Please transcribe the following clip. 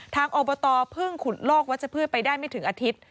อบตเพิ่งขุดลอกวัชพืชไปได้ไม่ถึงอาทิตย์